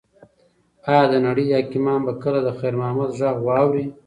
ایا د نړۍ حاکمان به کله د خیر محمد غږ واوري؟